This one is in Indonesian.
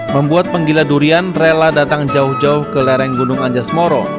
membuat penggila durian rela datang jauh jauh ke lereng gunung anjas moro